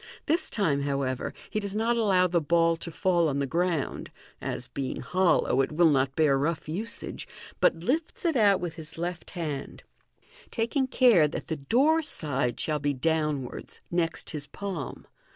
This time, however, he does not allow the ball to fall 0:1 the ground, as, being hollow, it will not bear rough usage, but lifts it out with his left hand, taking care r'lat ihe u door " side shall be downwards, next his palm.